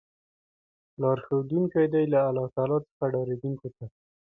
لار ښودونکی دی له الله تعالی څخه ډاريدونکو ته